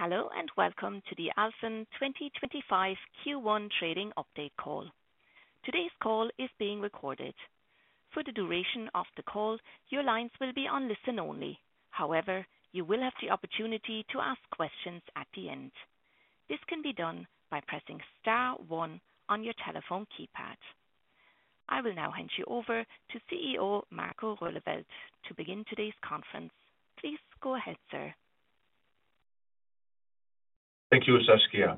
Hello and welcome to the Alfen 2025 Q1 trading update call. Today's call is being recorded. For the duration of the call, your lines will be on listen only. However, you will have the opportunity to ask questions at the end. This can be done by pressing star one on your telephone keypad. I will now hand you over to CEO Marco Roeleveld to begin today's conference. Please go ahead, sir. Thank you, Saskia.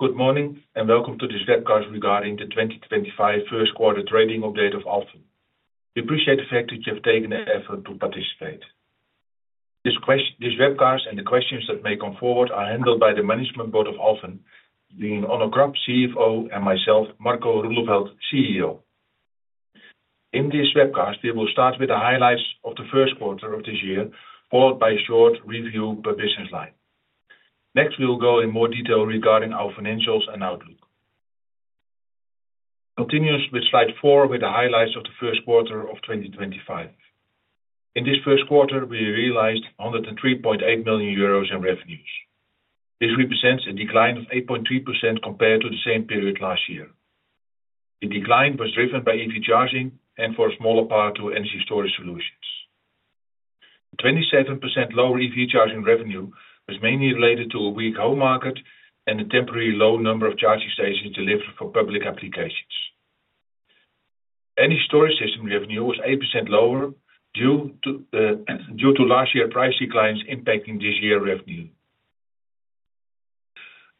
Good morning and welcome to this webcast regarding the 2025 first quarter trading update of Alfen. We appreciate the fact that you have taken the effort to participate. This webcast and the questions that may come forward are handled by the Management Board of Alfen, being Onno Krap, CFO, and myself, Marco Roeleveld, CEO. In this webcast, we will start with the highlights of the first quarter of this year, followed by a short review per business line. Next, we will go in more detail regarding our financials and outlook. Continues with slide four with the highlights of the first quarter of 2025. In this first quarter, we realized 103.8 million euros in revenues. This represents a decline of 8.3% compared to the same period last year. The decline was driven by EV charging and, for a smaller part, to energy storage solutions. The 27% lower EV charging revenue was mainly related to a weak home market and the temporary low number of charging stations delivered for public applications. Energy storage system revenue was 8% lower due to last year's price declines impacting this year's revenue.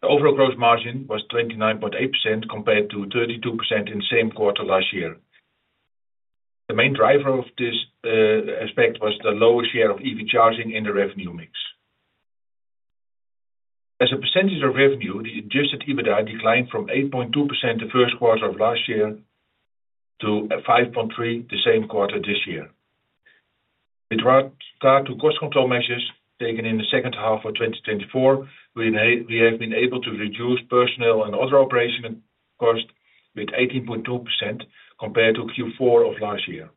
The overall gross margin was 29.8% compared to 32% in the same quarter last year. The main driver of this aspect was the lower share of EV charging in the revenue mix. As a percentage of revenue, the adjusted EBITDA declined from 8.2% the first quarter of last year to 5.3% the same quarter this year. With regard to cost control measures taken in the second half of 2024, we have been able to reduce personnel and other operational costs by 18.2% compared to Q4 of last year.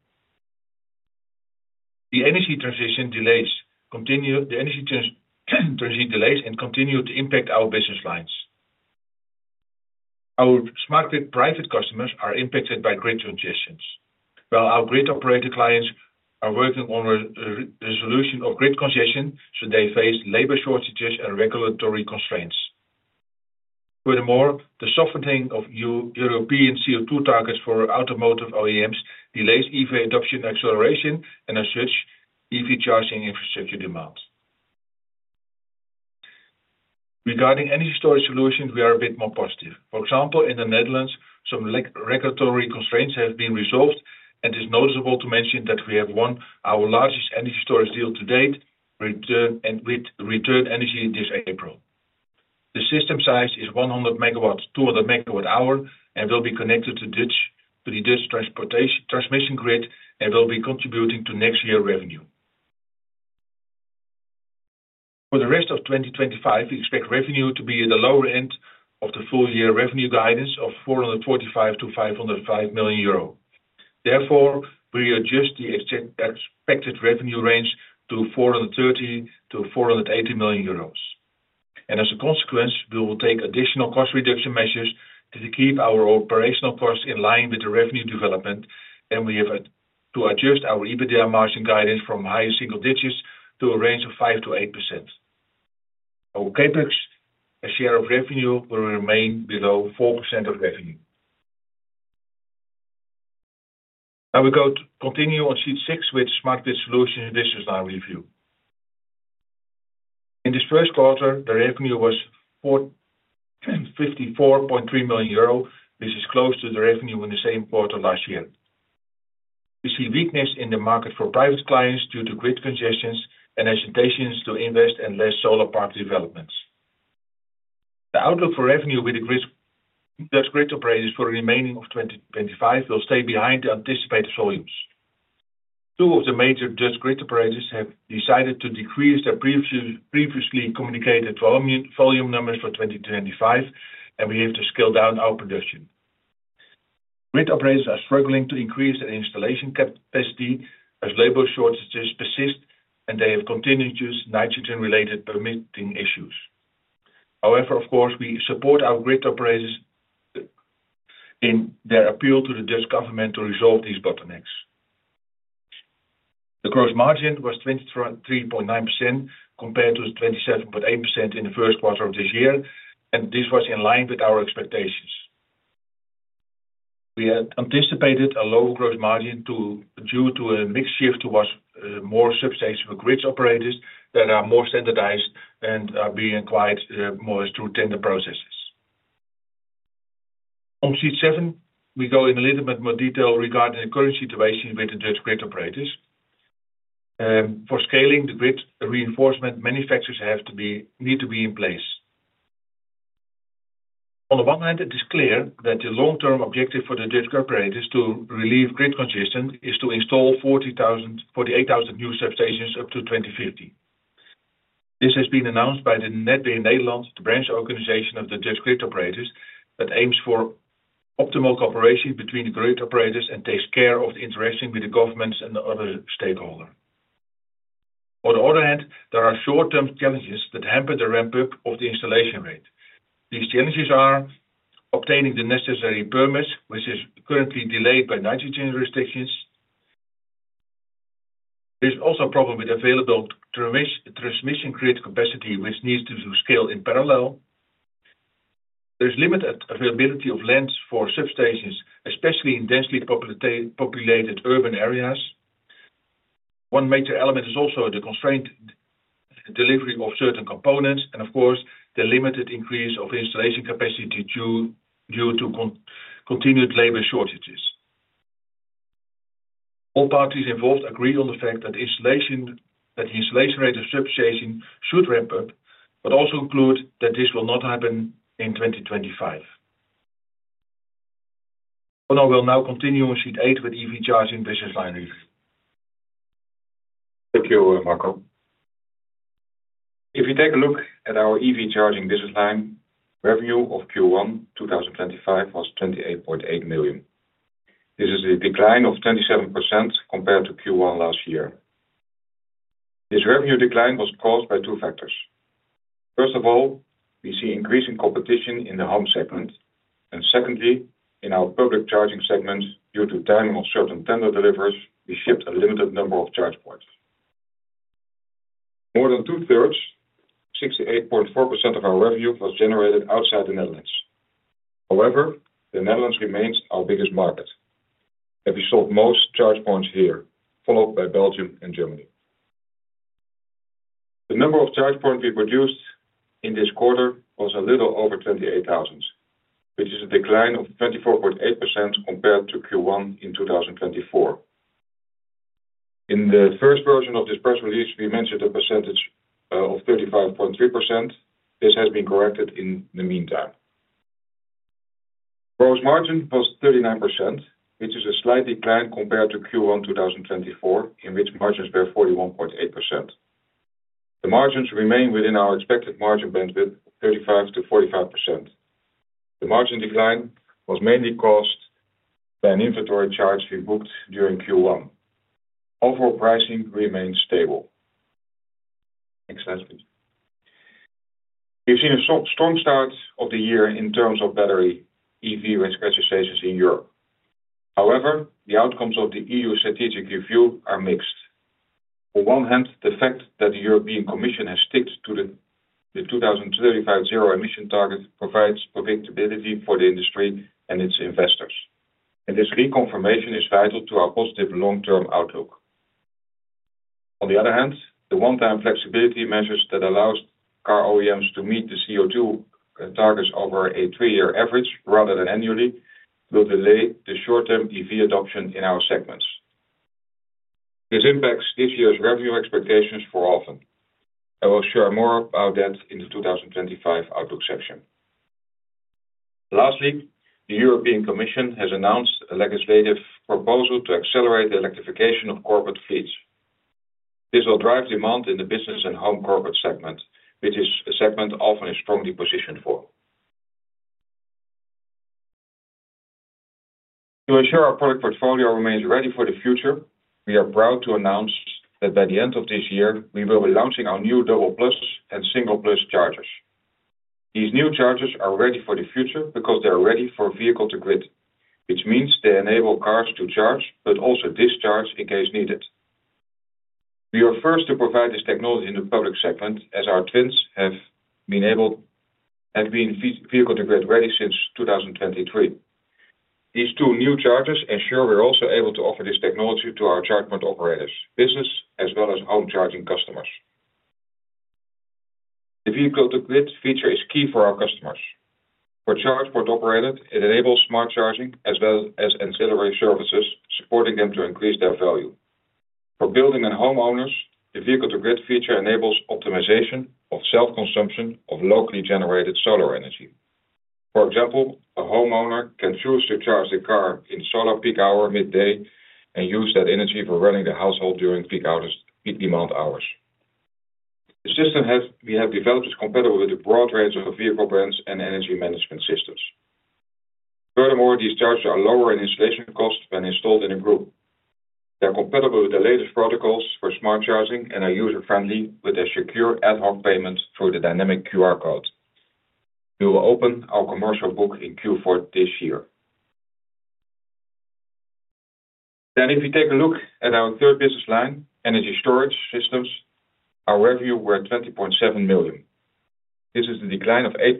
The energy transition delays continue to impact our business lines. Our smart grid private customers are impacted by grid congestion, while our grid operator clients are working on a resolution of grid congestion, so they face labor shortages and regulatory constraints. Furthermore, the softening of European CO2 targets for automotive OEMs delays EV adoption acceleration and, as such, EV charging infrastructure demands. Regarding energy storage solutions, we are a bit more positive. For example, in the Netherlands, some regulatory constraints have been resolved, and it is noticeable to mention that we have won our largest energy storage deal to date with Return Energy this April. The system size is 200 MWh and will be connected to the Dutch transmission grid and will be contributing to next year's revenue. For the rest of 2025, we expect revenue to be at the lower end of the full year revenue guidance of 445 million-505 million euro. Therefore, we adjust the expected revenue range to 430 million-480 million euros. As a consequence, we will take additional cost reduction measures to keep our operational costs in line with the revenue development, and we have to adjust our EBITDA margin guidance from high single digits to a range of 5%-8%. Our CapEx share of revenue will remain below 4% of revenue. Now we continue on sheet six with Smart Grid Solutions business line review. In this first quarter, the revenue was 54.3 million euro. This is close to the revenue in the same quarter last year. We see weakness in the market for private clients due to grid congestion and hesitations to invest in less solar park developments. The outlook for revenue with the Dutch grid operators for the remaining of 2025 will stay behind the anticipated volumes. Two of the major Dutch grid operators have decided to decrease their previously communicated volume numbers for 2025, and we have to scale down our production. Grid operators are struggling to increase their installation capacity as labor shortages persist, and they have continued to use nitrogen-related permitting issues. However, of course, we support our grid operators in their appeal to the Dutch government to resolve these bottlenecks. The gross margin was 23.9% compared to 27.8% in the first quarter of this year, and this was in line with our expectations. We had anticipated a lower gross margin due to a mix shift towards more substation grid operators that are more standardized and are being acquired more through tender processes. On sheet seven, we go in a little bit more detail regarding the current situation with the Dutch grid operators. For scaling the grid, reinforcement manufacturers need to be in place. On the one hand, it is clear that the long-term objective for the Dutch grid operators to relieve grid congestion is to install 48,000 new substations up to 2050. This has been announced by Netbeheer Nederland, the branch organization of the Dutch grid operators, that aims for optimal cooperation between the grid operators and takes care of the interaction with the governments and other stakeholders. On the other hand, there are short-term challenges that hamper the ramp-up of the installation rate. These challenges are obtaining the necessary permits, which is currently delayed by nitrogen restrictions. There is also a problem with available transmission grid capacity, which needs to scale in parallel. There is limited availability of land for substations, especially in densely populated urban areas. One major element is also the constrained delivery of certain components and, of course, the limited increase of installation capacity due to continued labor shortages. All parties involved agree on the fact that the installation rate of substations should ramp up, but also include that this will not happen in 2025. Onno will now continue on sheet eight with EV charging business line review. Thank you, Marco. If you take a look at our EV charging business line, revenue of Q1 2025 was 28.8 million. This is a decline of 27% compared to Q1 last year. This revenue decline was caused by two factors. First of all, we see increasing competition in the home segment, and secondly, in our public charging segment due to timing of certain tender deliveries, we shipped a limited number of charge points. More than two-thirds, 68.4% of our revenue was generated outside the Netherlands. However, the Netherlands remains our biggest market. We sold most charge points here, followed by Belgium and Germany. The number of charge points we produced in this quarter was a little over 28,000, which is a decline of 24.8% compared to Q1 in 2024. In the first version of this press release, we mentioned a percentage of 35.3%. This has been corrected in the meantime. Gross margin was 39%, which is a slight decline compared to Q1 2024, in which margins were 41.8%. The margins remain within our expected margin bandwidth, 35%-45%. The margin decline was mainly caused by an inventory charge we booked during Q1. Overall pricing remains stable. Next slide, please. We've seen a strong start of the year in terms of battery EV range registrations in Europe. However, the outcomes of the EU strategic review are mixed. On one hand, the fact that the European Commission has stuck to the 2035 zero emission target provides predictability for the industry and its investors, and this reconfirmation is vital to our positive long-term outlook. On the other hand, the one-time flexibility measures that allow car OEMs to meet the CO2 targets over a three-year average rather than annually will delay the short-term EV adoption in our segments. This impacts this year's revenue expectations for Alfen. I will share more about that in the 2025 outlook section. Lastly, the European Commission has announced a legislative proposal to accelerate the electrification of corporate fleets. This will drive demand in the business and home corporate segment, which is a segment Alfen is strongly positioned for. To ensure our product portfolio remains ready for the future, we are proud to announce that by the end of this year, we will be launching our new double-plus and single-plus chargers. These new chargers are ready for the future because they are ready for vehicle-to-grid, which means they enable cars to charge but also discharge in case needed. We are first to provide this technology in the public segment, as our Twins have been vehicle-to-grid ready since 2023. These two new chargers ensure we're also able to offer this technology to our chargepoint operators, business, as well as home charging customers. The vehicle-to-grid feature is key for our customers. For chargepoint operators, it enables smart charging as well as ancillary services, supporting them to increase their value. For building and homeowners, the vehicle-to-grid feature enables optimization of self-consumption of locally generated solar energy. For example, a homeowner can choose to charge the car in solar peak hour midday and use that energy for running the household during peak demand hours. The system we have developed is compatible with a broad range of vehicle brands and energy management systems. Furthermore, these chargers are lower in installation costs when installed in a group. They are compatible with the latest protocols for smart charging and are user-friendly with a secure ad-hoc payment through the dynamic QR code. We will open our commercial book in Q4 this year. If you take a look at our third business line, energy storage systems, our revenue were 20.7 million. This is a decline of 8%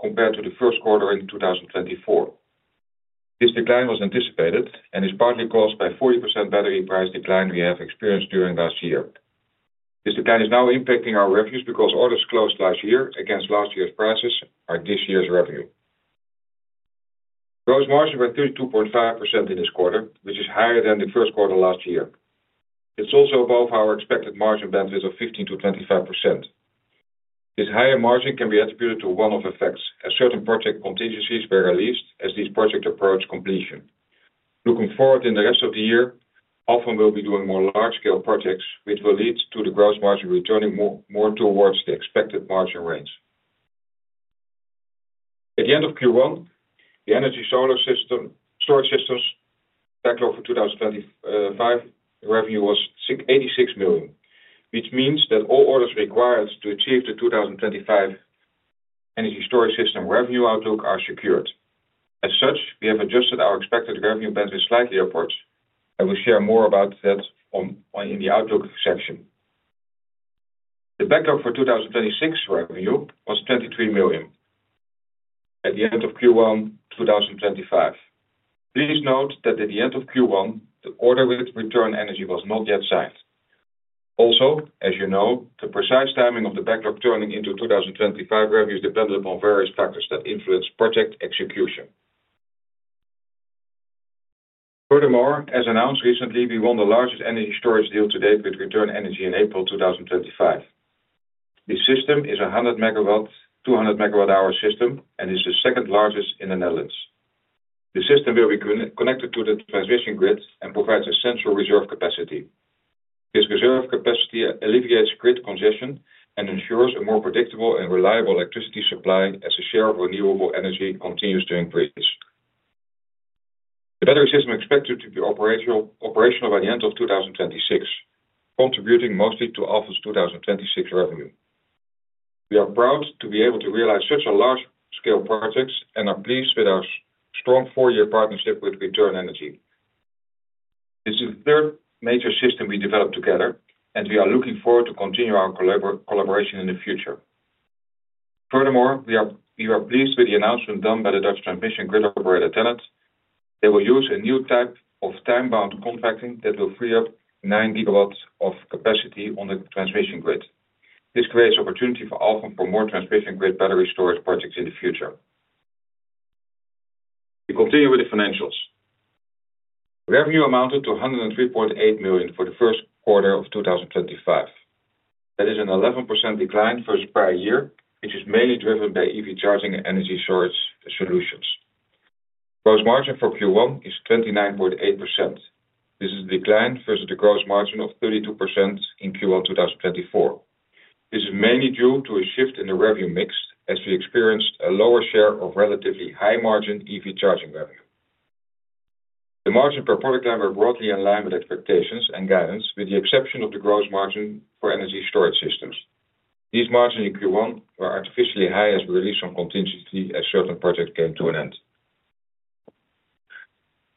compared to the first quarter in 2024. This decline was anticipated and is partly caused by the 40% battery price decline we have experienced during last year. This decline is now impacting our revenues because orders closed last year against last year's prices are this year's revenue. Gross margin was 32.5% in this quarter, which is higher than the first quarter last year. It's also above our expected margin bandwidth of 15%-25%. This higher margin can be attributed to one of the facts: certain project contingencies were released as this project approached completion. Looking forward in the rest of the year, Alfen will be doing more large-scale projects, which will lead to the gross margin returning more towards the expected margin range. At the end of Q1, the energy storage systems backlog for 2025 revenue was 86 million, which means that all orders required to achieve the 2025 energy storage system revenue outlook are secured. As such, we have adjusted our expected revenue bandwidth slightly upwards. I will share more about that in the outlook section. The backlog for 2026 revenue was 23 million at the end of Q1 2025. Please note that at the end of Q1, the order with Return Energy was not yet signed. Also, as you know, the precise timing of the backlog turning into 2025 revenue is dependent upon various factors that influence project execution. Furthermore, as announced recently, we won the largest energy storage deal to date with Return Energy in April 2025. The system is a 100 MW, 200 MWh system and is the second largest in the Netherlands. The system will be connected to the transmission grid and provides essential reserve capacity. This reserve capacity alleviates grid congestion and ensures a more predictable and reliable electricity supply as the share of renewable energy continues to increase. The battery system is expected to be operational by the end of 2026, contributing mostly to Alfen's 2026 revenue. We are proud to be able to realize such large-scale projects and are pleased with our strong four-year partnership with Return Energy. This is the third major system we developed together, and we are looking forward to continue our collaboration in the future. Furthermore, we are pleased with the announcement done by the Dutch transmission grid operator, Tennet. They will use a new type of time-bound contracting that will free up 9 GW of capacity on the transmission grid. This creates opportunity for Alfen for more transmission grid battery storage projects in the future. We continue with the financials. Revenue amounted to 103.8 million for the first quarter of 2025. That is an 11% decline versus prior year, which is mainly driven by EV charging and Energy Storage Systems. Gross margin for Q1 is 29.8%. This is a decline versus the gross margin of 32% in Q1 2024. This is mainly due to a shift in the revenue mix as we experienced a lower share of relatively high-margin EV charging revenue. The margin per product line was broadly in line with expectations and guidance, with the exception of the gross margin for energy storage systems. These margins in Q1 were artificially high as we released some contingency as certain projects came to an end.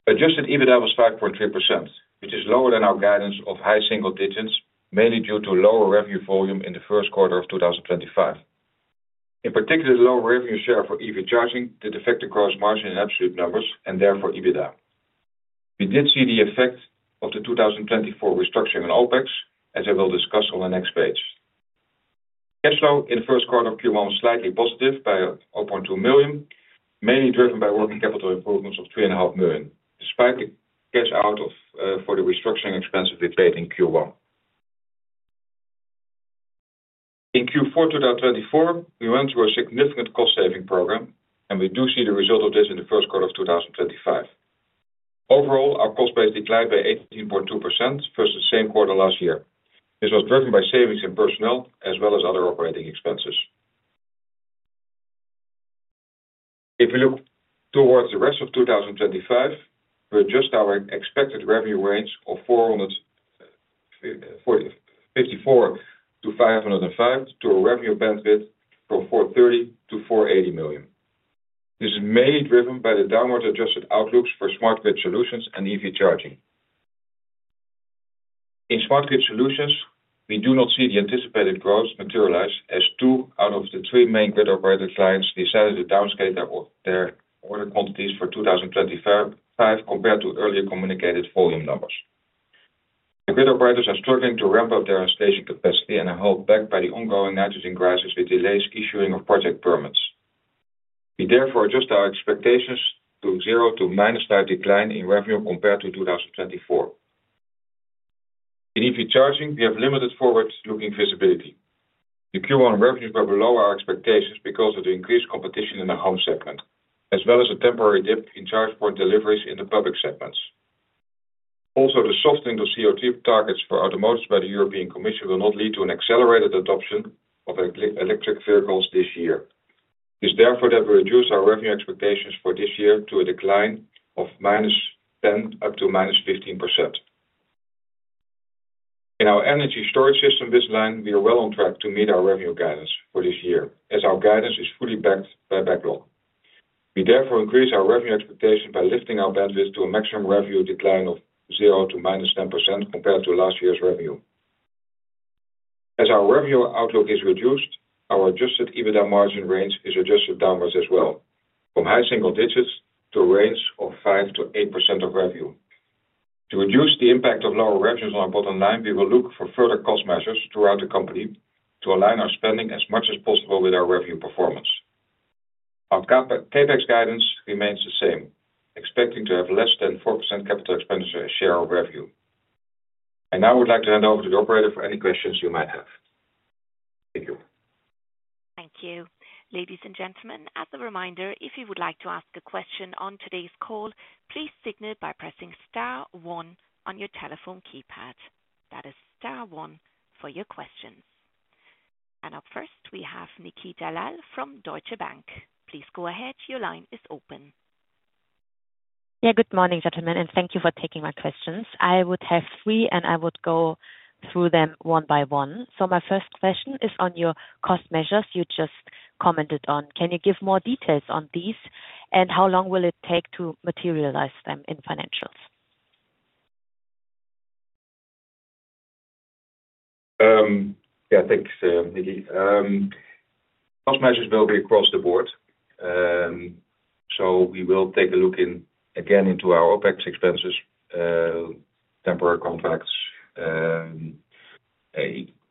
Adjusted EBITDA was 5.3%, which is lower than our guidance of high single digits, mainly due to lower revenue volume in the first quarter of 2025. In particular, the low revenue share for EV charging did affect the gross margin in absolute numbers and therefore EBITDA. We did see the effect of the 2024 restructuring on OpEx, as I will discuss on the next page. Cash flow in the first quarter of Q1 was slightly positive by 0.2 million, mainly driven by working capital improvements of 3.5 million, despite the cash out for the restructuring expenses we paid in Q1. In Q4 2024, we went through a significant cost-saving program, and we do see the result of this in the first quarter of 2025. Overall, our cost base declined by 18.2% versus the same quarter last year. This was driven by savings in personnel as well as other operating expenses. If we look towards the rest of 2025, we adjust our expected revenue range of 454 million-505 million to a revenue bandwidth from 430 million-480 million. This is mainly driven by the downward-adjusted outlooks for smart grid solutions and EV charging. In smart grid solutions, we do not see the anticipated growth materialize as two out of the three main grid operator clients decided to downscale their order quantities for 2025 compared to earlier communicated volume numbers. The grid operators are struggling to ramp up their installation capacity and are held back by the ongoing nitrogen crisis with delays issuing of project permits. We therefore adjust our expectations to zero to minus that decline in revenue compared to 2024. In EV charging, we have limited forward-looking visibility. The Q1 revenues were below our expectations because of the increased competition in the home segment, as well as a temporary dip in chargepoint deliveries in the public segments. Also, the softening of CO2 targets for automotives by the European Commission will not lead to an accelerated adoption of electric vehicles this year. It is therefore that we reduce our revenue expectations for this year to a decline of -10% up to -15%. In our energy storage system business line, we are well on track to meet our revenue guidance for this year, as our guidance is fully backed by backlog. We therefore increase our revenue expectation by lifting our bandwidth to a maximum revenue decline of 0% to -10% compared to last year's revenue. As our revenue outlook is reduced, our adjusted EBITDA margin range is adjusted downwards as well, from high single digits to a range of 5%-8% of revenue. To reduce the impact of lower revenues on our bottom line, we will look for further cost measures throughout the company to align our spending as much as possible with our revenue performance. Our CapEx guidance remains the same, expecting to have less than 4% capital expenditure share of revenue. I would like to hand over to the operator for any questions you might have. Thank you. Thank you. Ladies and gentlemen, as a reminder, if you would like to ask a question on today's call, please signal by pressing star one on your telephone keypad. That is star one for your questions. Up first, we have Nikita Lal from Deutsche Bank. Please go ahead. Your line is open. Yeah, good morning, gentlemen, and thank you for taking my questions. I would have three, and I would go through them one by one. My first question is on your cost measures you just commented on. Can you give more details on these, and how long will it take to materialize them in financials? Yeah, thanks, Nikki. Cost measures will be across the board. We will take a look again into our OpEx expenses, temporary contracts,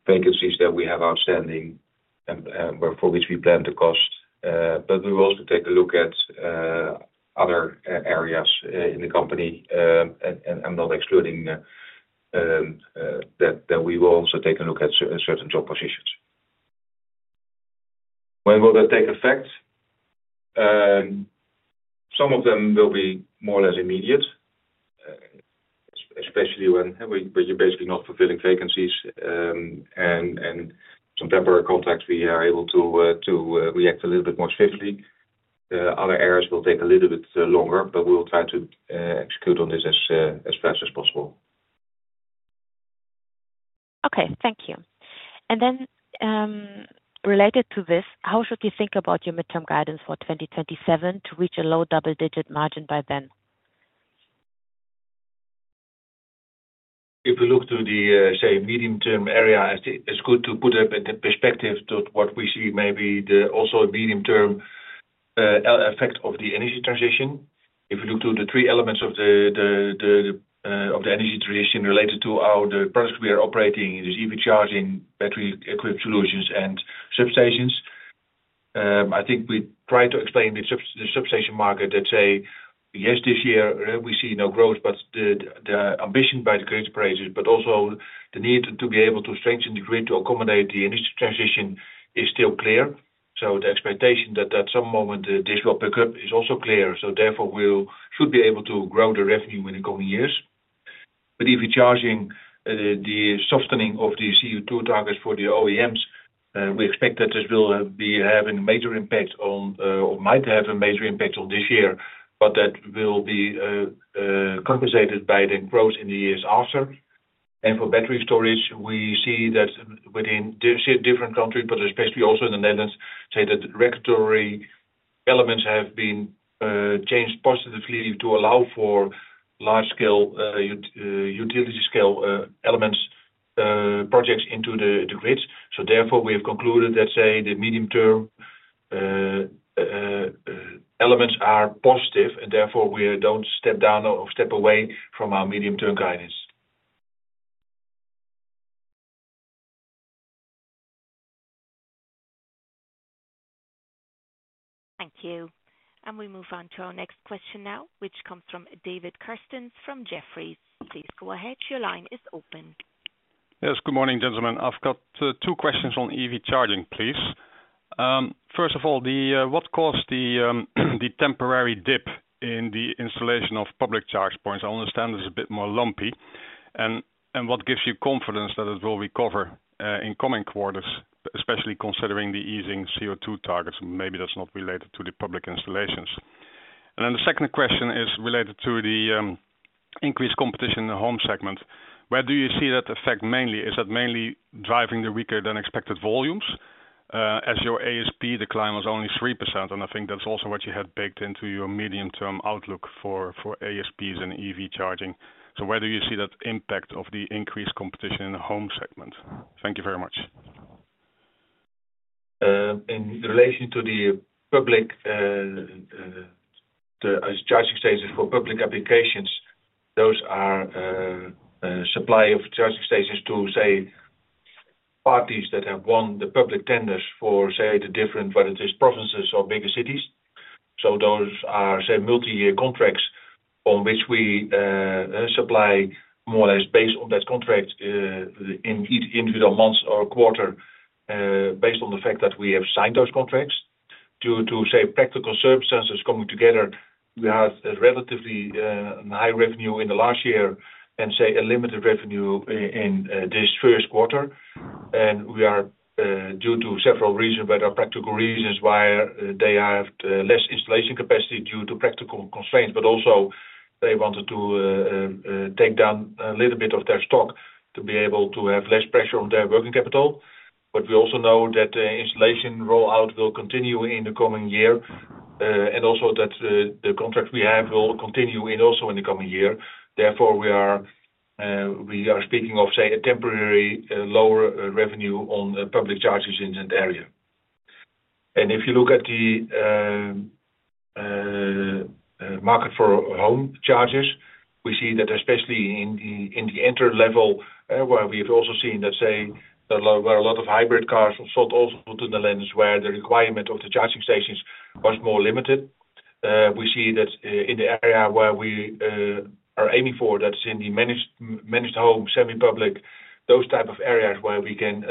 vacancies that we have outstanding for which we plan to cost. We will also take a look at other areas in the company, and I am not excluding that we will also take a look at certain job positions. When will they take effect? Some of them will be more or less immediate, especially when we are basically not fulfilling vacancies. Some temporary contracts, we are able to react a little bit more swiftly. Other areas will take a little bit longer, but we will try to execute on this as fast as possible. Okay, thank you. Related to this, how should you think about your midterm guidance for 2027 to reach a low double-digit margin by then? If we look to the, say, medium-term area, it's good to put up in perspective what we see, maybe also a medium-term effect of the energy transition. If we look to the three elements of the energy transition related to our products we are operating, which is EV charging, battery-equipped solutions, and substations, I think we try to explain the substation market that, say, yes, this year we see no growth, but the ambition by the grid operators, but also the need to be able to strengthen the grid to accommodate the energy transition is still clear. The expectation that at some moment this will pick up is also clear. Therefore, we should be able to grow the revenue in the coming years. With EV charging, the softening of the CO2 targets for the OEMs, we expect that this will be having a major impact on, or might have a major impact on this year, but that will be compensated by the growth in the years after. For battery storage, we see that within different countries, but especially also in the Netherlands, regulatory elements have been changed positively to allow for large-scale utility-scale projects into the grids. Therefore, we have concluded that the medium-term elements are positive, and therefore we do not step down or step away from our medium-term guidance. Thank you. We move on to our next question now, which comes from David Kerstens from Jefferies. Please go ahead. Your line is open. Yes, good morning, gentlemen. I have got two questions on EV charging, please. First of all, what caused the temporary dip in the installation of public charge points? I understand it's a bit more lumpy. What gives you confidence that it will recover in coming quarters, especially considering the easing CO2 targets? Maybe that's not related to the public installations. The second question is related to the increased competition in the home segment. Where do you see that effect mainly? Is that mainly driving the weaker-than-expected volumes? As your ASP, the client was only 3%, and I think that's also what you had baked into your medium-term outlook for ASPs and EV charging. Where do you see that impact of the increased competition in the home segment? Thank you very much. In relation to the charging stations for public applications, those are supply of charging stations to, say, parties that have won the public tenders for, say, the different, whether it is provinces or bigger cities. Those are, say, multi-year contracts on which we supply more or less based on that contract in each individual month or quarter, based on the fact that we have signed those contracts. Due to, say, practical circumstances coming together, we had relatively high revenue in the last year and, say, a limited revenue in this first quarter. We are, due to several reasons, but practical reasons why they have less installation capacity due to practical constraints, but also they wanted to take down a little bit of their stock to be able to have less pressure on their working capital. We also know that the installation rollout will continue in the coming year, and also that the contract we have will continue also in the coming year. Therefore, we are speaking of, say, a temporary lower revenue on public chargers in that area. If you look at the market for home chargers, we see that especially in the entry level, where we have also seen that, say, there were a lot of hybrid cars sold also to the lenders where the requirement of the charging stations was more limited. We see that in the area where we are aiming for, that's in the managed home, semi-public, those type of areas where we can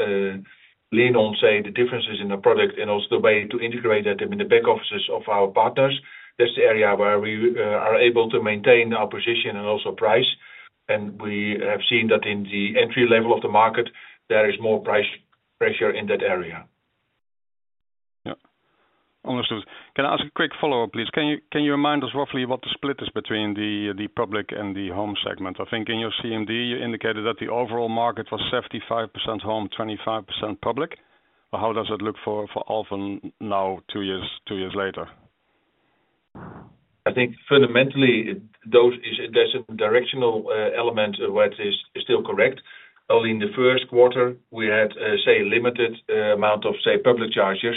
lean on, say, the differences in the product and also the way to integrate them in the back offices of our partners. That's the area where we are able to maintain our position and also price. We have seen that in the entry level of the market, there is more price pressure in that area. Yeah, understood. Can I ask a quick follow-up, please? Can you remind us roughly what the split is between the public and the home segment? I think in your CMD, you indicated that the overall market was 75% home, 25% public. How does it look for Alfen now, two years later? I think fundamentally, there's a directional element where it is still correct. Only in the first quarter, we had, say, a limited amount of, say, public chargers,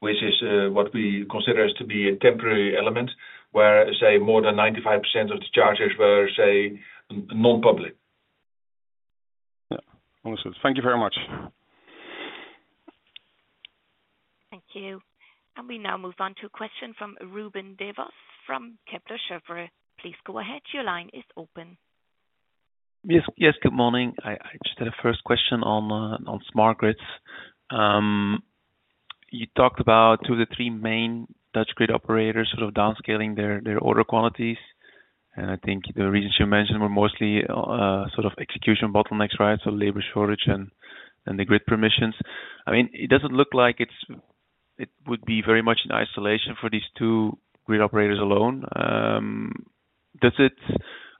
which is what we consider as to be a temporary element, where, say, more than 95% of the chargers were, say, non-public. Yeah, understood. Thank you very much. Thank you. We now move on to a question from Ruben Devos from Kepler Cheuvreux. Please go ahead. Your line is open. Yes, good morning. I just had a first question on smart grids. You talked about two of the three main Dutch grid operators sort of downscaling their order quantities. I think the reasons you mentioned were mostly sort of execution bottlenecks, right? Labor shortage and the grid permissions. I mean, it does not look like it would be very much in isolation for these two grid operators alone. How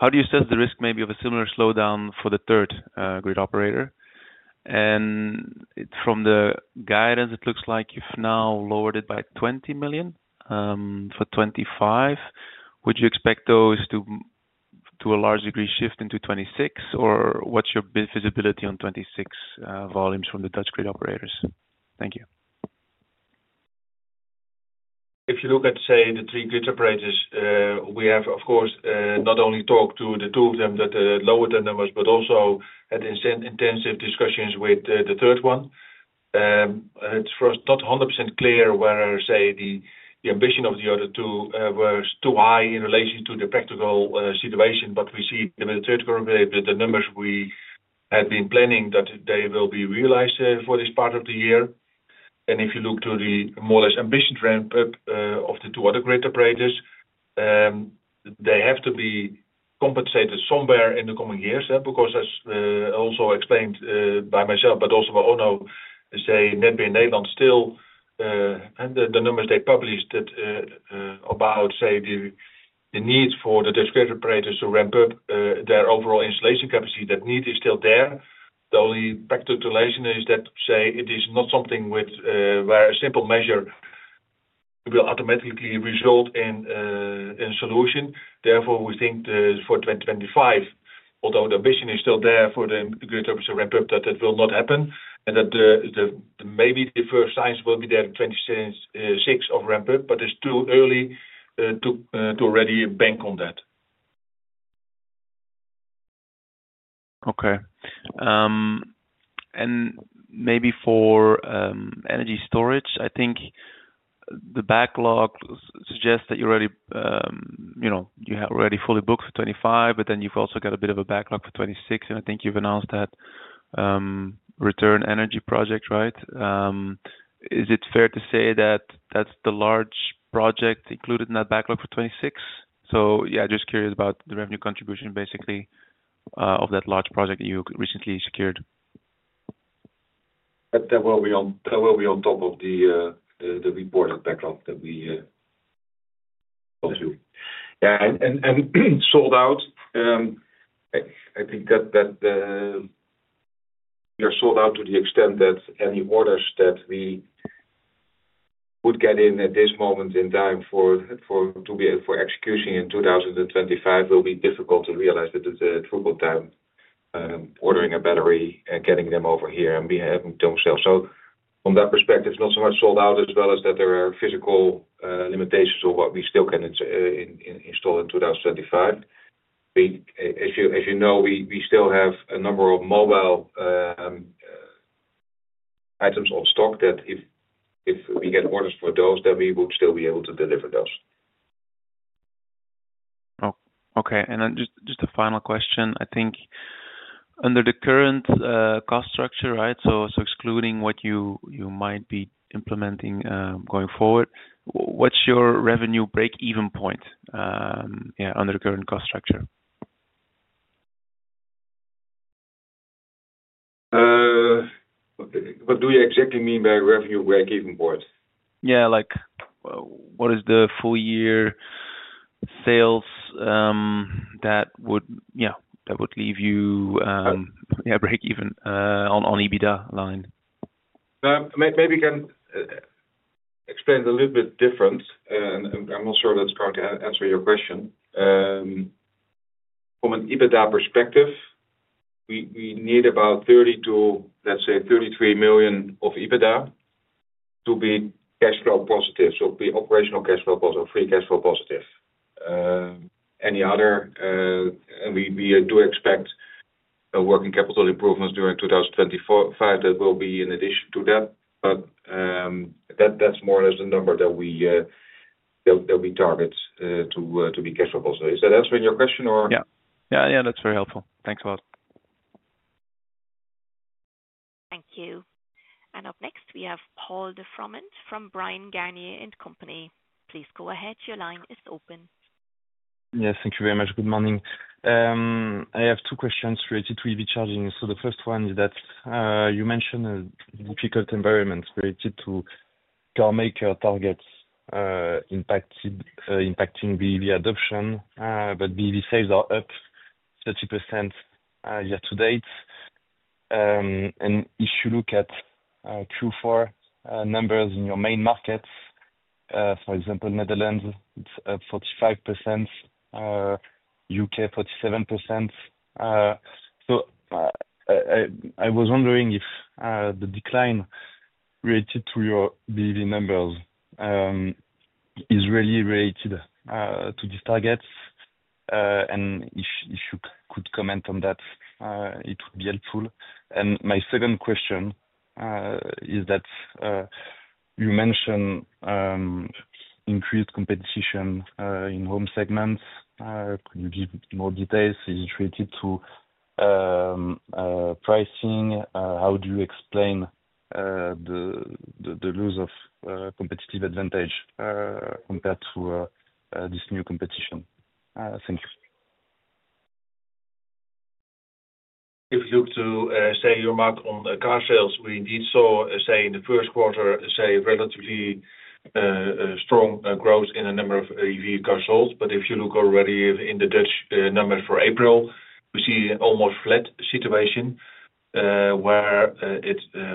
do you assess the risk maybe of a similar slowdown for the third grid operator? From the guidance, it looks like you have now lowered it by 20 million for 2025. Would you expect those to a large degree to shift into 2026, or what is your visibility on 2026 volumes from the Dutch grid operators? Thank you. If you look at, say, the three grid operators, we have, of course, not only talked to the two of them that lowered the numbers, but also had intensive discussions with the third one. It's not 100% clear whether, say, the ambition of the other two was too high in relation to the practical situation, but we see that with the third group, the numbers we had been planning that they will be realized for this part of the year. If you look to the more or less ambition ramp-up of the two other grid operators, they have to be compensated somewhere in the coming years, because as also explained by myself, but also by Onno, say, Netbeheer Nederland still, the numbers they published about, say, the need for the Dutch grid operators to ramp up their overall installation capacity, that need is still there. The only practical relation is that, say, it is not something where a simple measure will automatically result in a solution. Therefore, we think for 2025, although the ambition is still there for the grid operators to ramp up, that that will not happen, and that maybe the first signs will be there in 2026 of ramp-up, but it is too early to already bank on that. Okay. Maybe for energy storage, I think the backlog suggests that you have already fully booked for 2025, but then you have also got a bit of a backlog for 2026, and I think you have announced that Return Energy project, right? Is it fair to say that that is the large project included in that backlog for 2026? Yeah, just curious about the revenue contribution, basically, of that large project that you recently secured. That will be on top of the reported backlog that we told you. Yeah, and sold out. I think that we are sold out to the extent that any orders that we would get in at this moment in time for execution in 2025 will be difficult to realize at the truthful time ordering a battery and getting them over here and be having themselves. From that perspective, not so much sold out as well as that there are physical limitations of what we still can install in 2025. As you know, we still have a number of mobile items on stock that if we get orders for those, then we would still be able to deliver those. Okay. And then just a final question. I think under the current cost structure, right, so excluding what you might be implementing going forward, what's your revenue break-even point under the current cost structure? What do you exactly mean by revenue break-even point? Yeah, like what is the full-year sales that would, yeah, that would leave you break-even on EBITDA line? Maybe you can explain it a little bit different. I'm not sure that's going to answer your question. From an EBITDA perspective, we need about 30 million-33 million of EBITDA to be cash flow positive, so be operational cash flow positive, free cash flow positive. Any other, and we do expect working capital improvements during 2025 that will be in addition to that, but that's more or less the number that we target to be cash flow positive. Is that answering your question, or? Yeah. Yeah, yeah, that's very helpful. Thanks a lot. Thank you. Up next, we have Paul de Froment from Bryan Garnier & Company. Please go ahead. Your line is open. Yes, thank you very much. Good morning. I have two questions related to EV charging. The first one is that you mentioned difficult environments related to car maker targets impacting BEV adoption, but BEV sales are up 30% year to date. If you look at Q4 numbers in your main markets, for example, Netherlands, it is up 45%, U.K. 47%. I was wondering if the decline related to your BEV numbers is really related to these targets, and if you could comment on that, it would be helpful. My second question is that you mentioned increased competition in home segments. Could you give more details related to pricing? How do you explain the loss of competitive advantage compared to this new competition? Thank you. If you look to, say, your mark on car sales, we indeed saw, say, in the first quarter, say, relatively strong growth in the number of EV cars sold. If you look already in the Dutch numbers for April, we see almost flat situation where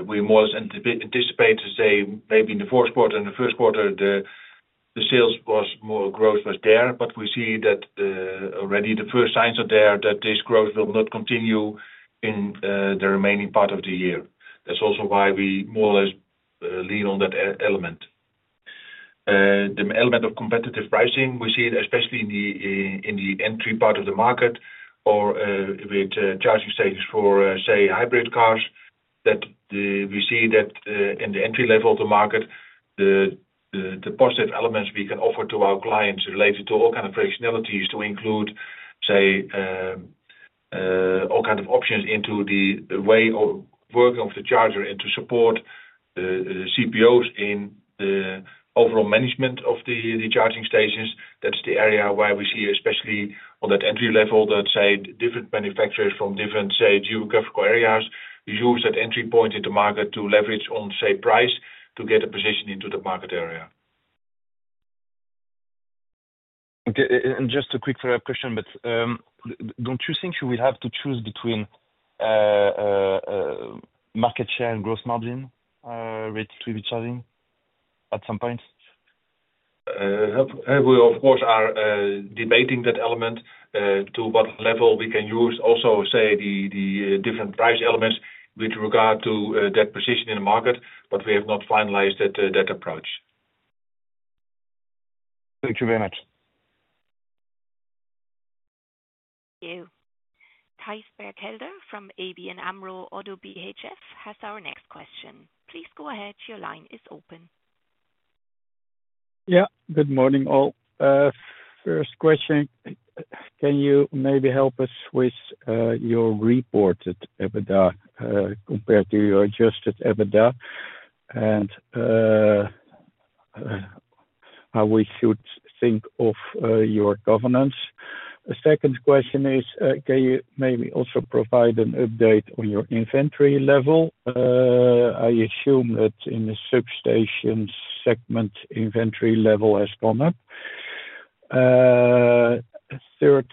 we more or less anticipate to say maybe in the fourth quarter and the first quarter, the sales was more growth was there, but we see that already the first signs are there that this growth will not continue in the remaining part of the year. That is also why we more or less lean on that element. The element of competitive pricing, we see it especially in the entry part of the market or with charging stations for, say, hybrid cars, that we see that in the entry level of the market, the positive elements we can offer to our clients related to all kinds of functionalities to include, say, all kinds of options into the way of working of the charger and to support CPOs in the overall management of the charging stations. That is the area where we see especially on that entry level that, say, different manufacturers from different, say, geographical areas use that entry point in the market to leverage on, say, price to get a position into the market area. Just a quick follow-up question, but do not you think you will have to choose between market share and gross margin related to EV charging at some point? We, of course, are debating that element to what level we can use also, say, the different price elements with regard to that position in the market, but we have not finalized that approach. Thank you very much. Thank you. Thijs Berkelder from ABNAMRO ODDO BHF has our next question. Please go ahead. Your line is open. Yeah. Good morning all. First question, can you maybe help us with your reported EBITDA compared to your adjusted EBITDA and how we should think of your governance? Second question is, can you maybe also provide an update on your inventory level? I assume that in the substation segment, inventory level has gone up. Third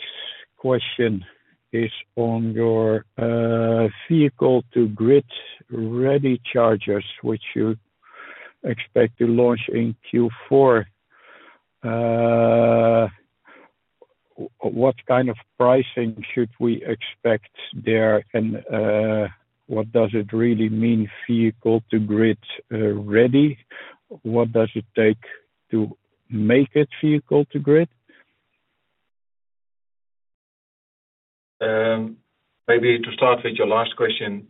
question is on your vehicle-to-grid ready chargers, which you expect to launch in Q4. What kind of pricing should we expect there? And what does it really mean, vehicle-to-grid ready? What does it take to make it vehicle-to-grid? Maybe to start with your last question,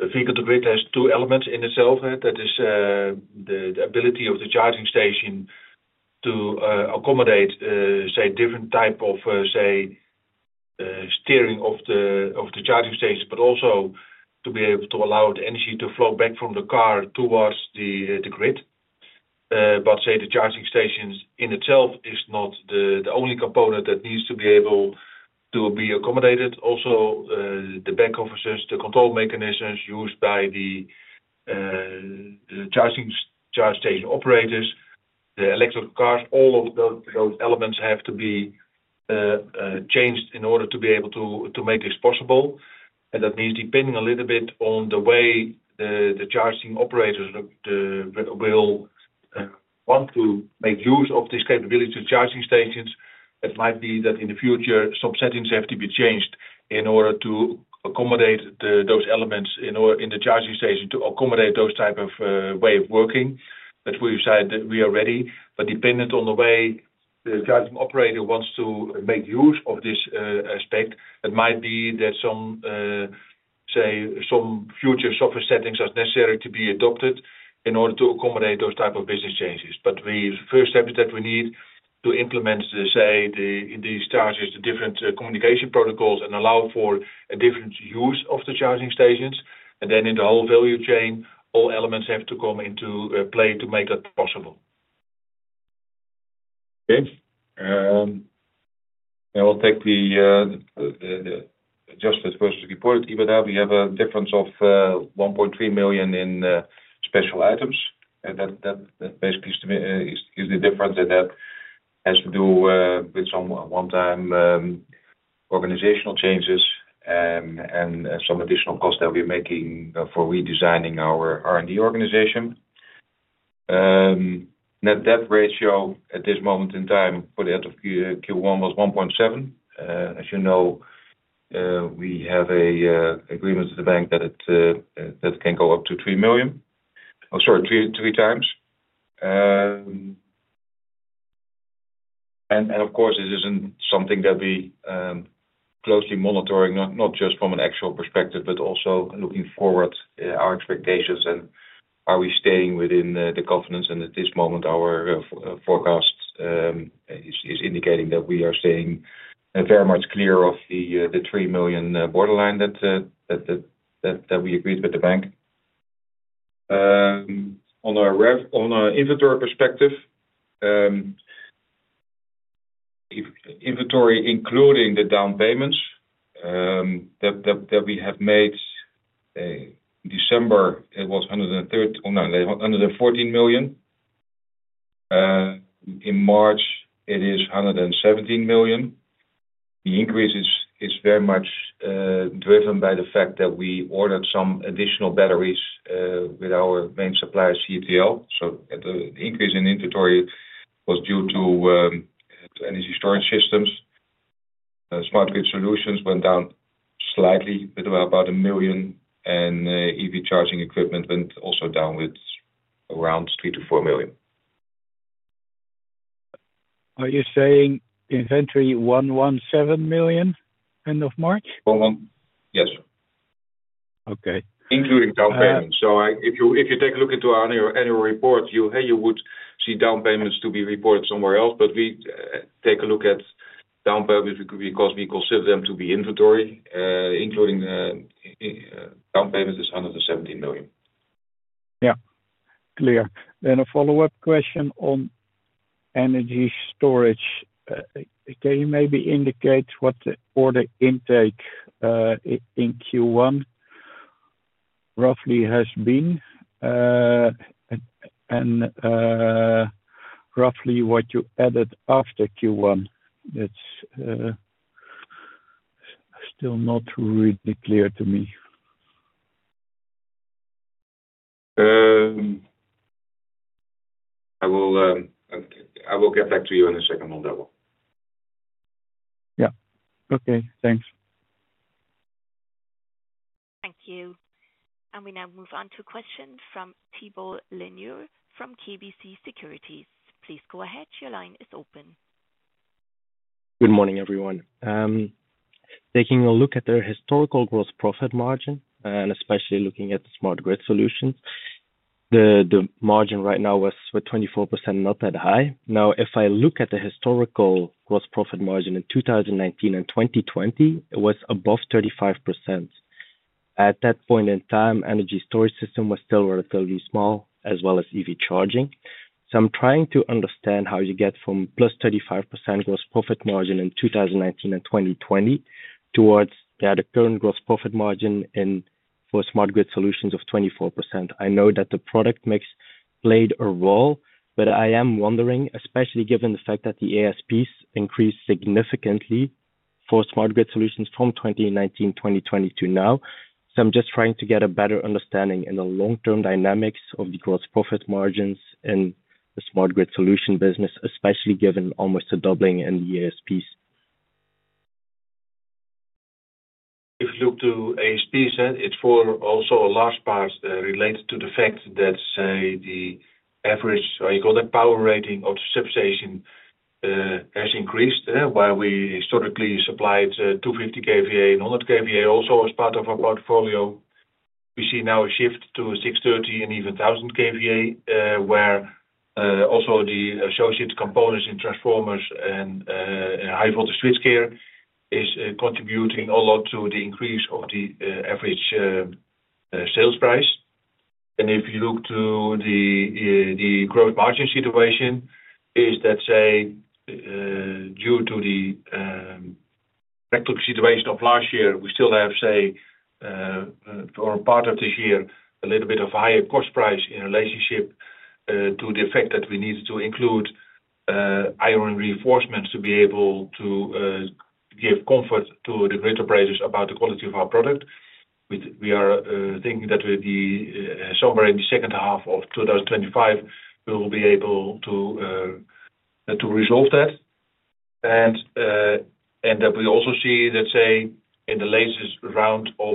vehicle-to-grid has two elements in itself. That is the ability of the charging station to accommodate, say, different type of, say, steering of the charging station, but also to be able to allow the energy to flow back from the car towards the grid. The charging station in itself is not the only component that needs to be able to be accommodated. Also, the back offices, the control mechanisms used by the charging station operators, the electric cars, all of those elements have to be changed in order to be able to make this possible. That means depending a little bit on the way the charging operators will want to make use of these capabilities of charging stations, it might be that in the future, some settings have to be changed in order to accommodate those elements in the charging station to accommodate those type of way of working that we decide that we are ready. Dependent on the way the charging operator wants to make use of this aspect, it might be that, say, some future software settings are necessary to be adopted in order to accommodate those type of business changes. The first step is that we need to implement, say, these chargers, the different communication protocols, and allow for a different use of the charging stations. In the whole value chain, all elements have to come into play to make that possible. Okay. I will take the adjusted versus reported EBITDA. We have a difference of 1.3 million in special items. And that basically is the difference that has to do with some one-time organizational changes and some additional costs that we're making for redesigning our R&D organization. Net debt ratio at this moment in time for the end of Q1 was 1.7. As you know, we have an agreement with the bank that can go up to three times. And of course, this isn't something that we closely monitor, not just from an actual perspective, but also looking forward, our expectations, and are we staying within the confidence. And at this moment, our forecast is indicating that we are staying very much clear of the three times borderline that we agreed with the bank. On our inventory perspective, inventory including the down payments that we have made in December, it was 113 million, no, 114 million. In March, it is 117 million. The increase is very much driven by the fact that we ordered some additional batteries with our main supplier, CATL. The increase in inventory was due to energy storage systems. Smart grid solutions went down slightly with about 1 million, and EV charging equipment went also down with around 3-4 million. Are you saying inventory 117 million end of March? Yes. Including down payments. If you take a look into our annual report, you would see down payments to be reported somewhere else. We take a look at down payments because we consider them to be inventory, including down payments is 117 million. Yeah. Clear. A follow-up question on energy storage. Can you maybe indicate what the order intake in Q1 roughly has been and roughly what you added after Q1? It's still not really clear to me. I will get back to you in a second on that one. Yeah. Okay. Thanks. Thank you. We now move on to a question from Thibault Leneeuw from KBC Securities. Please go ahead. Your line is open. Good morning, everyone. Taking a look at their historical gross profit margin, and especially looking at the smart grid solutions, the margin right now was 24%, not that high. Now, if I look at the historical gross profit margin in 2019 and 2020, it was above 35%. At that point in time, energy storage system was still relatively small, as well as EV charging. I'm trying to understand how you get from +35% gross profit margin in 2019 and 2020 towards the current gross profit margin for smart grid solutions of 24%. I know that the product mix played a role, but I am wondering, especially given the fact that the ASPs increased significantly for smart grid solutions from 2019, 2020 to now. I'm just trying to get a better understanding in the long-term dynamics of the gross profit margins in the smart grid solutions business, especially given almost a doubling in the ASPs. If you look to ASPs, it's for also a large part related to the fact that, say, the average, or you call that power rating of the substation has increased, where we historically supplied 250 kVA and 100 kVA also as part of our portfolio. We see now a shift to 630 and even 1,000 kVA, where also the associated components in transformers and high-voltage switchgear is contributing a lot to the increase of the average sales price. If you look to the gross margin situation, is that, say, due to the electric situation of last year, we still have, say, for a part of this year, a little bit of higher cost price in relationship to the fact that we needed to include iron reinforcements to be able to give comfort to the grid operators about the quality of our product. We are thinking that somewhere in the second half of 2025, we will be able to resolve that. That we also see that, say, in the latest round of,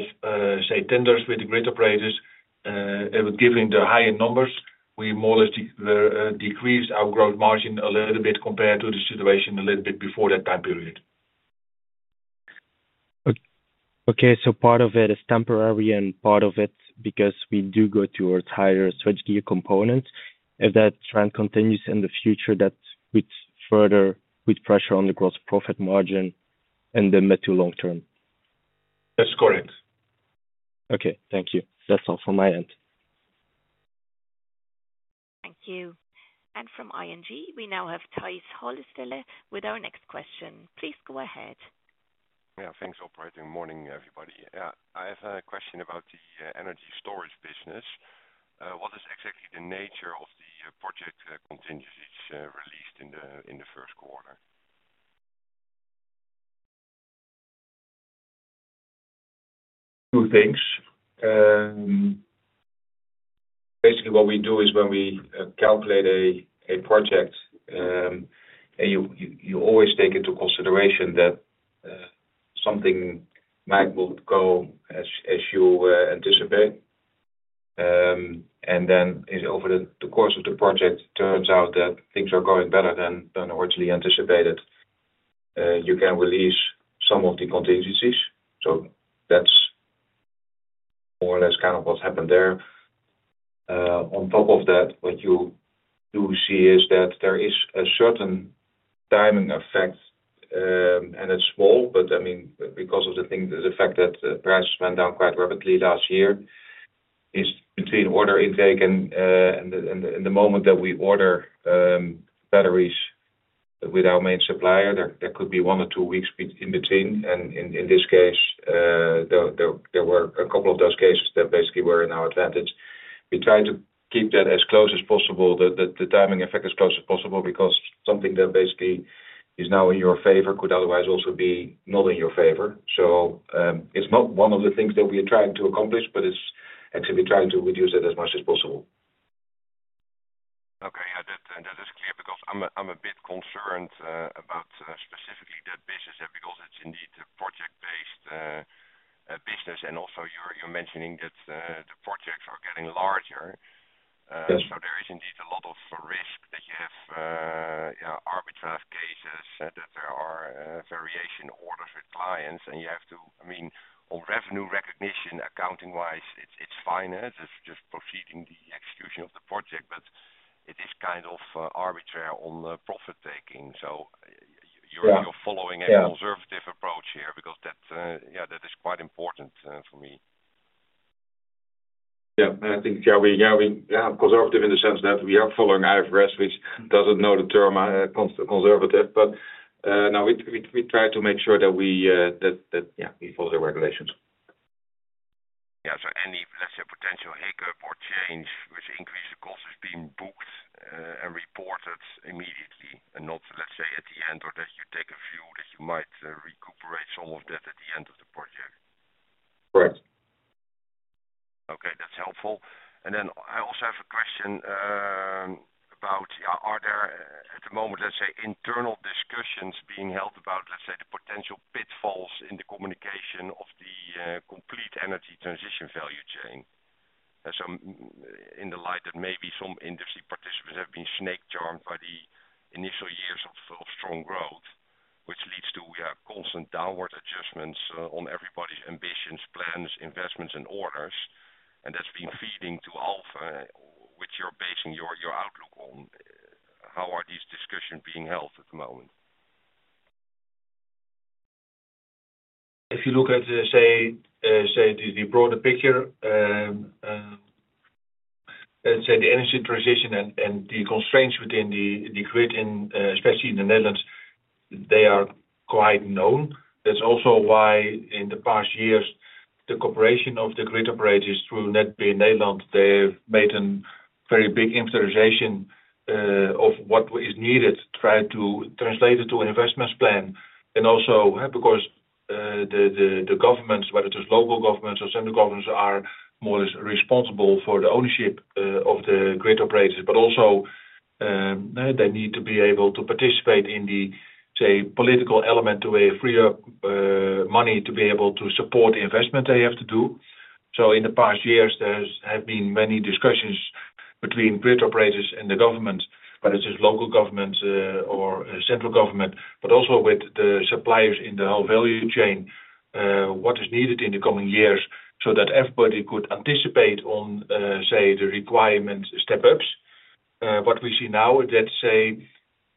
say, tenders with the grid operators, given the higher numbers, we more or less decreased our gross margin a little bit compared to the situation a little bit before that time period. Okay. Part of it is temporary and part of it because we do go towards higher switchgear components. If that trend continues in the future, that would further put pressure on the gross profit margin in the mid to long term. That's correct. Okay. Thank you. That's all from my end. Thank you. From ING, we now have Tijs Hollestelle with our next question. Please go ahead. Yeah. Thanks, operator. Good morning, everybody. I have a question about the energy storage business. What is exactly the nature of the project contingencies released in the first quarter? Two things. Basically, what we do is when we calculate a project, you always take into consideration that something might go as you anticipate. Then over the course of the project, it turns out that things are going better than originally anticipated. You can release some of the contingencies. That is more or less kind of what has happened there. On top of that, what you do see is that there is a certain timing effect, and it is small, but I mean, because of the fact that prices went down quite rapidly last year, it is between order intake and the moment that we order batteries with our main supplier. There could be one or two weeks in between. In this case, there were a couple of those cases that basically were in our advantage. We tried to keep that as close as possible, the timing effect as close as possible, because something that basically is now in your favor could otherwise also be not in your favor. It is not one of the things that we are trying to accomplish, but it is actually trying to reduce it as much as possible. Okay. That is clear because I am a bit concerned about specifically that business because it is indeed a project-based business. Also, you are mentioning that the projects are getting larger. There is indeed a lot of risk that you have arbitrage cases, that there are variation orders with clients, and you have to, I mean, on revenue recognition, accounting-wise, it is fine. It is just proceeding the execution of the project, but it is kind of arbitrary on profit taking. You are following a conservative approach here because that is quite important for me. Yeah. I think we are conservative in the sense that we are following IFRS, which does not know the term conservative. Now we try to make sure that we follow the regulations. Yeah. Any, let's say, potential hiccup or change which increases the cost has been booked and reported immediately and not, let's say, at the end, or that you take a view that you might recuperate some of that at the end of the project. Correct. Okay. That is helpful. I also have a question about, are there at the moment, let's say, internal discussions being held about, let's say, the potential pitfalls in the communication of the complete energy transition value chain? In the light that maybe some industry participants have been snake charmed by the initial years of strong growth, which leads to constant downward adjustments on everybody's ambitions, plans, investments, and orders. That has been feeding to Alfen, which you're basing your outlook on. How are these discussions being held at the moment? If you look at, say, the broader picture, let's say, the energy transition and the constraints within the grid, especially in the Netherlands, they are quite known. That is also why in the past years, the cooperation of the grid operators through Netbeheer Nederland, they have made a very big improvisation of what is needed, trying to translate it to an investment plan. Also because the governments, whether it is local governments or central governments, are more or less responsible for the ownership of the grid operators, but also they need to be able to participate in the, say, political element to free up money to be able to support the investment they have to do. In the past years, there have been many discussions between grid operators and the government, whether it is local government or central government, but also with the suppliers in the whole value chain, what is needed in the coming years so that everybody could anticipate on, say, the requirement step-ups. What we see now is that, say,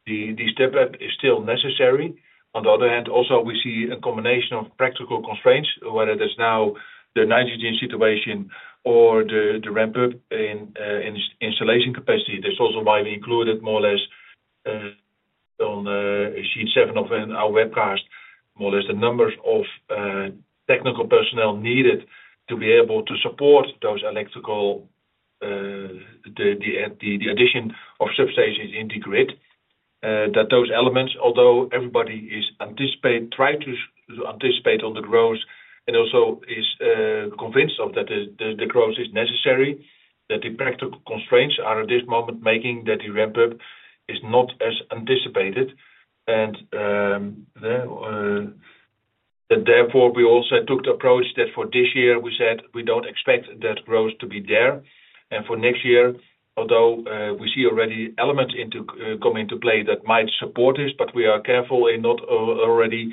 the step-up is still necessary. On the other hand, also we see a combination of practical constraints, whether there is now the nitrogen situation or the ramp-up in installation capacity. That's also why we included more or less on sheet seven of our webcast, more or less the numbers of technical personnel needed to be able to support those electrical, the addition of substations in the grid, that those elements, although everybody is trying to anticipate on the growth and also is convinced that the growth is necessary, that the practical constraints are at this moment making that the ramp-up is not as anticipated. Therefore, we also took the approach that for this year, we said we do not expect that growth to be there. For next year, although we see already elements coming into play that might support this, we are careful in not already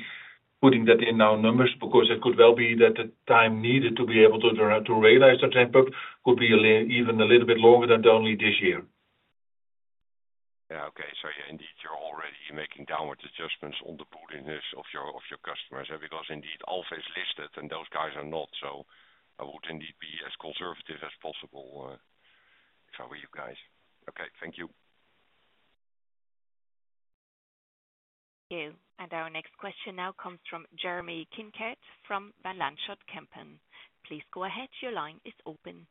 putting that in our numbers because it could well be that the time needed to be able to realize the ramp-up could be even a little bit longer than only this year. Yeah. Okay. Indeed, you're already making downward adjustments on the boarding list of your customers because indeed, Alfen is listed and those guys are not. I would indeed be as conservative as possible for you guys. Okay. Thank you. Thank you. Our next question now comes from Jeremy Kincaid from Van Lanschot Kempen. Please go ahead. Your line is open.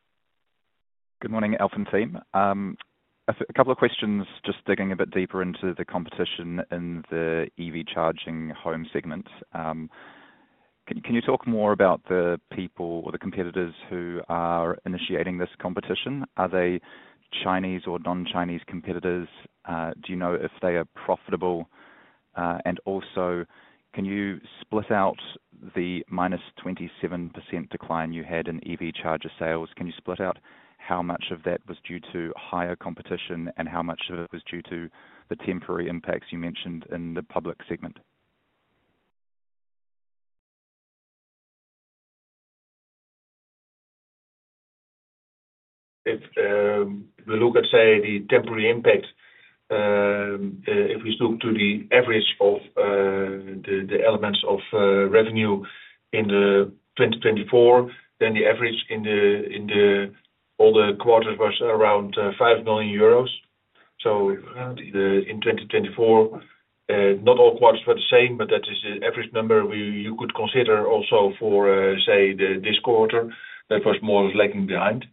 Good morning, Alfen team. A couple of questions just digging a bit deeper into the competition in the EV charging home segment. Can you talk more about the people or the competitors who are initiating this competition? Are they Chinese or non-Chinese competitors? Do you know if they are profitable? Also, can you split out the -27% decline you had in EV charger sales? Can you split out how much of that was due to higher competition and how much of it was due to the temporary impacts you mentioned in the public segment? If we look at, say, the temporary impact, if we look to the average of the elements of revenue in 2024, then the average in all the quarters was around 5 million euros. In 2024, not all quarters were the same, but that is the average number you could consider also for, say, this quarter. That was more or less lagging behind.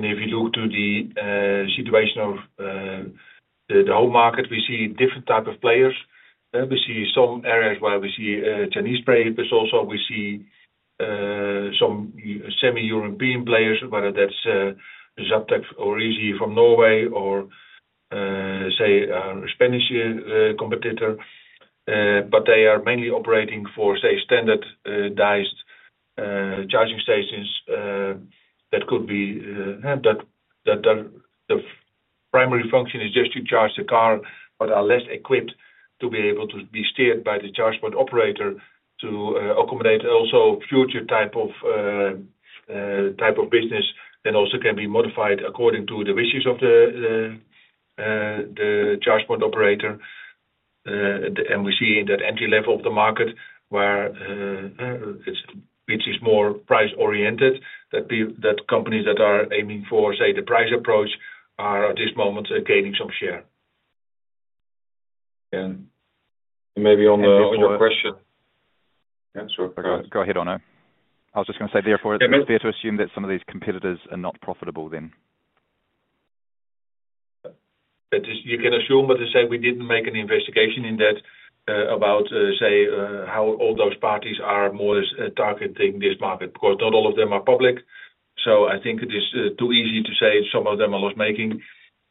If you look to the situation of the whole market, we see different types of players. We see some areas where we see Chinese players. Also, we see some semi-European players, whether that's Zaptec or Easee from Norway or, say, a Spanish competitor. They are mainly operating for, say, standardized charging stations that could be that the primary function is just to charge the car, but are less equipped to be able to be steered by the charge point operator to accommodate also future type of business that also can be modified according to the wishes of the charge point operator. We see in that entry level of the market, which is more price-oriented, that companies that are aiming for, say, the price approach are at this moment gaining some share. Yeah. Maybe on your question. Yeah. Sorry. Go ahead, Onno. I was just going to say, therefore, it's fair to assume that some of these competitors are not profitable then. You can assume, but to say we didn't make an investigation in that about, say, how all those parties are more or less targeting this market because not all of them are public. I think it is too easy to say some of them are loss-making.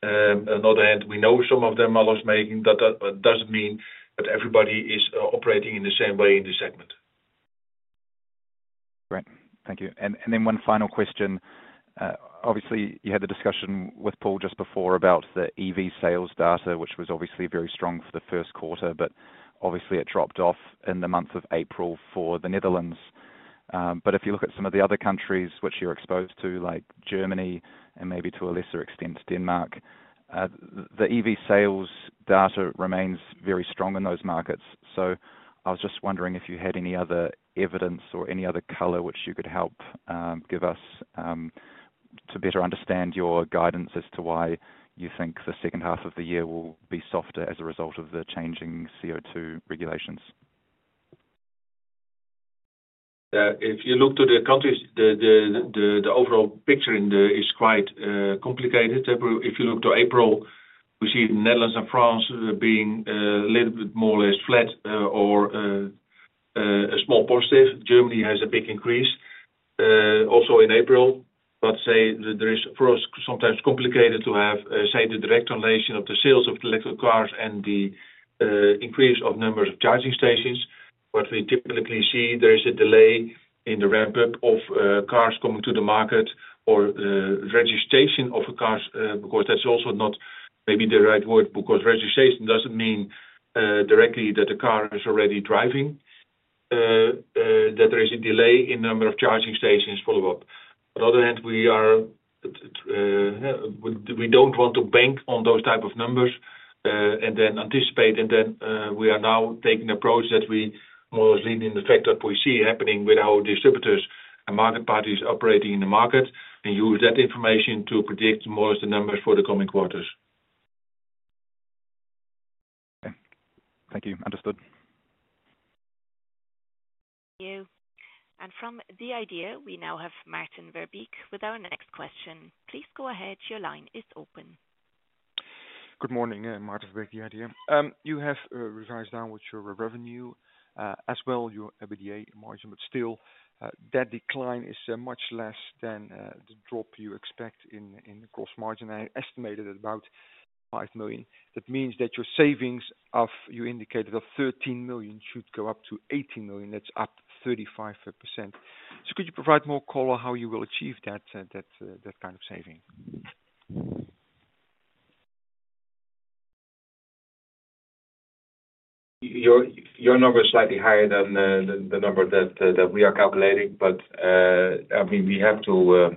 On the other hand, we know some of them are loss-making. That doesn't mean that everybody is operating in the same way in the segment. Right. Thank you. And then one final question. Obviously, you had the discussion with Paul just before about the EV sales data, which was obviously very strong for the first quarter, but obviously, it dropped off in the month of April for the Netherlands. If you look at some of the other countries which you're exposed to, like Germany and maybe to a lesser extent, Denmark, the EV sales data remains very strong in those markets. I was just wondering if you had any other evidence or any other color which you could help give us to better understand your guidance as to why you think the second half of the year will be softer as a result of the changing CO2 regulations. If you look to the countries, the overall picture is quite complicated. If you look to April, we see the Netherlands and France being a little bit more or less flat or a small positive. Germany has a big increase also in April. For us, sometimes it is complicated to have the direct relation of the sales of electric cars and the increase of numbers of charging stations. What we typically see, there is a delay in the ramp-up of cars coming to the market or registration of cars because that's also not maybe the right word because registration doesn't mean directly that the car is already driving, that there is a delay in the number of charging stations follow-up. On the other hand, we don't want to bank on those types of numbers and then anticipate. We are now taking the approach that we more or less lean in the fact that we see happening with our distributors and market parties operating in the market and use that information to predict more or less the numbers for the coming quarters. Okay. Thank you. Understood. Thank you. From the idea, we now have Maarten Verbeek with our next question. Please go ahead. Your line is open. Good morning, Maarten Verbeek here. You have revised down what your revenue as well, your EBITDA margin, but still that decline is much less than the drop you expect in the gross margin. I estimated at about 5 million. That means that your savings of, you indicated, of 13 million should go up to 18 million. That's up 35%. Could you provide more color how you will achieve that kind of saving? Your number is slightly higher than the number that we are calculating, but I mean, we have to,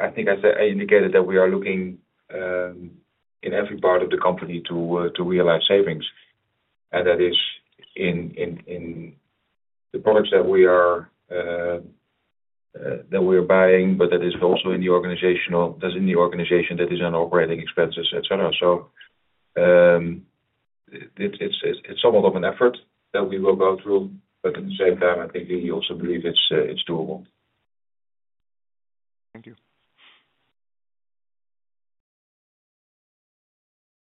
I think I indicated that we are looking in every part of the company to realize savings, and that is in the products that we are buying, but that is also in the organization, that is in the organization, that is on operating expenses, etc. It is somewhat of an effort that we will go through, but at the same time, I think we also believe it is doable. Thank you.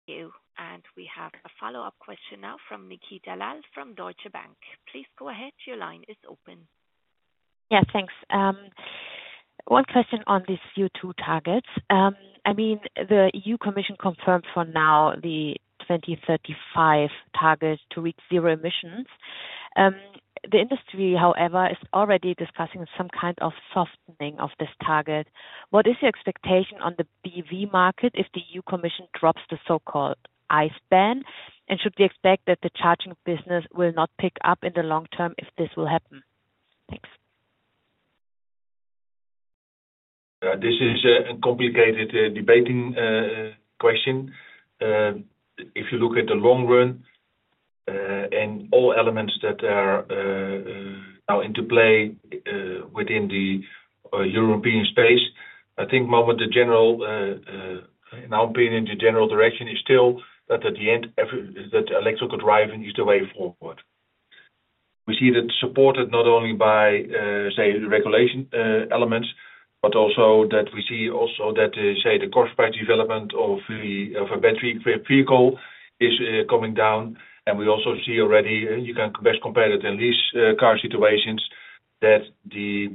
Thank you. We have a follow-up question now from Nikita Lal from Deutsche Bank. Please go ahead. Your line is open. Yes, thanks. One question on these CO2 targets. I mean, the EU Commission confirmed for now the 2035 target to reach zero emissions. The industry, however, is already discussing some kind of softening of this target. What is your expectation on the BEV market if the EU Commission drops the so-called ICE ban? Should we expect that the charging business will not pick up in the long term if this will happen? Thanks. This is a complicated debating question. If you look at the long run and all elements that are now into play within the European space, I think in our opinion, the general direction is still that at the end, electrical driving is the way forward. We see that supported not only by, say, regulation elements, but also that we see also that, say, the cost price development of a battery vehicle is coming down. We also see already, you can best compare it in lease car situations, that the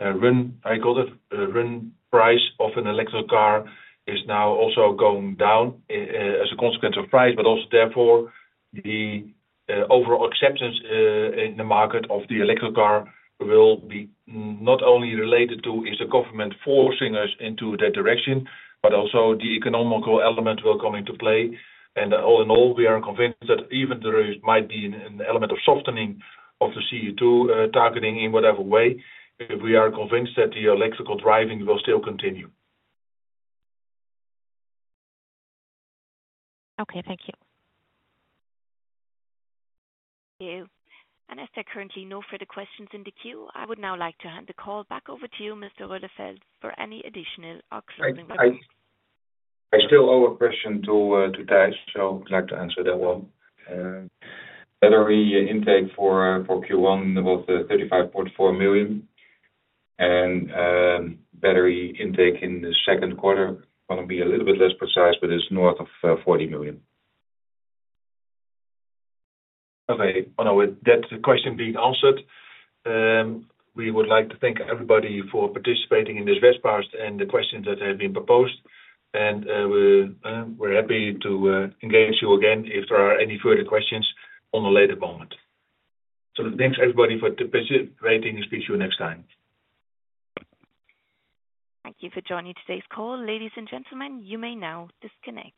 run, I call it, run price of an electric car is now also going down as a consequence of price, but also therefore, the overall acceptance in the market of the electric car will be not only related to is the government forcing us into that direction, but also the economical element will come into play. All in all, we are convinced that even there might be an element of softening of the CO2 targeting in whatever way, we are convinced that the electrical driving will still continue. Okay. Thank you. Thank you. As there are currently no further questions in the queue, I would now like to hand the call back over to you, Mr. Roeleveld, for any additional or closing questions. I still have a question to touch, so I'd like to answer that one. Battery intake for Q1 was 35.4 million, and battery intake in the second quarter, I want to be a little bit less precise, but it's north of 40 million. Okay. On our question being answered, we would like to thank everybody for participating in this webcast and the questions that have been proposed. We are happy to engage you again if there are any further questions at a later moment. Thank you, everybody, for participating. We will speak to you next time. Thank you for joining today's call. Ladies and gentlemen, you may now disconnect.